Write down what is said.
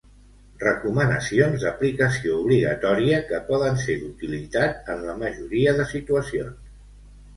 Recomanacions d'aplicació obligatòria, que poden ser d'utilitat en la majoria de situacions.